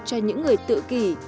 cho những người tự kỷ